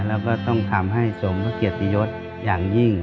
แล้วก็ต้องทำให้สมพระเกียรติยศอย่างยิ่ง